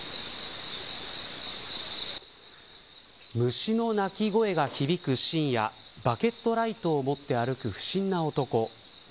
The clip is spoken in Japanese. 虫の鳴き声が響く深夜バケツとライトを持つ不審な男。